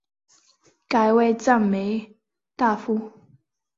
改为赞善大夫。